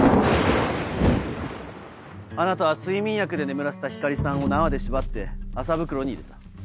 あなたは睡眠薬で眠らせた光莉さんを縄で縛って麻袋に入れた。